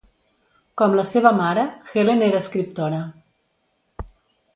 Com la seva mare, Helen era escriptora.